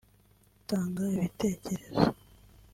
dutanga ibitekerezo